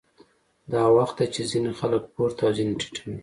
دا وخت دی چې ځینې خلک پورته او ځینې ټیټوي